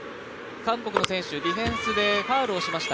韓国の選手、ディフェンスでファウルしました。